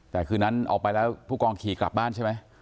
แต่คืนนั้นออกไปแล้วผู้กองขี่กลับบ้านใช่ไหม